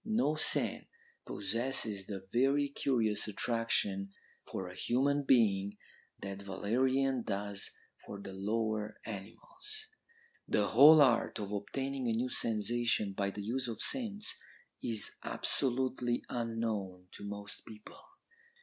No scent possesses the very curious attraction for a human being that valerian does for the lower animals.' "'The whole art of obtaining a new sensation by the use of scents is absolutely unknown to most people.